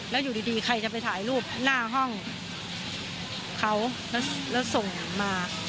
แล้วอยู่ดีใครจะไปถ่ายรูปหน้าห้องเขาแล้วส่งมา